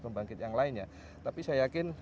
pembangkit yang lainnya tapi saya yakin